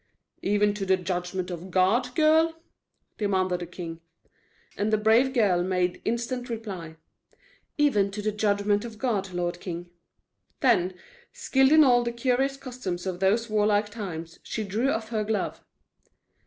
"Even to the judgment of God, girl?" demanded the king. And the brave girl made instant reply: "Even to the judgment of God, lord king." Then, skilled in all the curious customs of those warlike times, she drew off her glove.